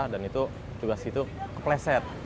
dan itu tugas itu kepleset